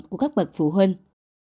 của các bậc phụ huynh